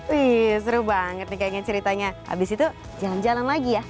wih seru banget nih kayaknya ceritanya abis itu jalan jalan lagi ya